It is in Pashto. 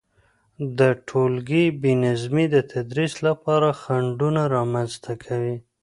د تولګي بي نظمي د تدريس لپاره خنډونه رامنځته کوي،